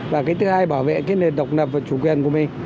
và thứ hai bảo vệ độc lập và chủ quyền của mình